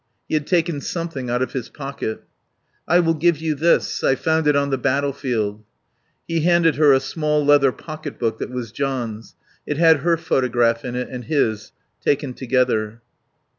He had taken something out of his pocket. "I will give you this. I found it on the battlefield." He handed her a small leather pocketbook that was John's. It had her photograph in it and his, taken together.